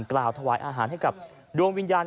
กล่าวถวายอาหารให้กับดวงวิญญาณ